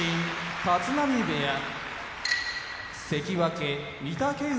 立浪部屋関脇・御嶽海